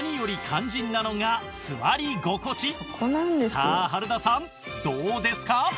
さあ春菜さんどうですか？